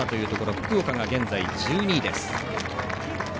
福岡が現在１２位です。